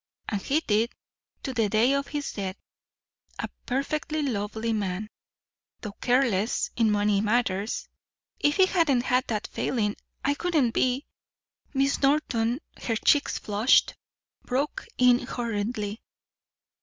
And he did, to the day of his death. A perfectly lovely man, though careless in money matters. If he hadn't had that failing I wouldn't be " Miss Norton, her cheeks flushed, broke in hurriedly.